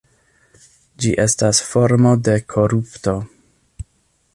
Ĝi estas formo de korupto.